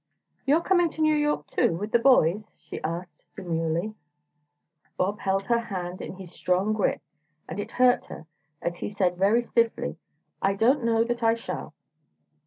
"You're coming to New York, too, with the boys?" she asked, demurely. Bob held her hand in his strong grip and it hurt her, as he said very stiffly: "I don't know that I shall."